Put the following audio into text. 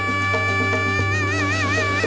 mereka akan menjelaskan kekuatan mereka